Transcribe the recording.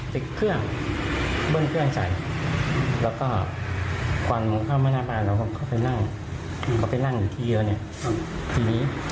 ติดเครื่องเบิ้ลเครื่องใส่แล้วก็ควันเข้ามาหน้าบ้านเราก็เข้าไปนั่งเขาไปนั่งอยู่ที่เยอะเนี่ยทีนี้